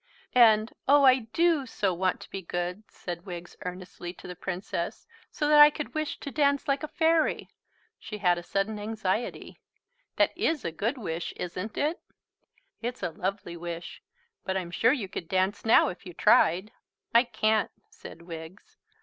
"And, oh, I do so want to be good," said Wiggs earnestly to the Princess, "so that I could wish to dance like a fairy." She had a sudden anxiety. "That is a good wish, isn't it?" "It's a lovely wish; but I'm sure you could dance now if you tried." "I can't," said Wiggs.